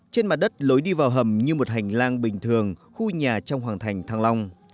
trên mặt đất lối đi vào hầm như một hành lang bình thường khu nhà trong hoàng thành thăng long